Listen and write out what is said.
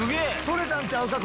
「撮れたんちゃうか？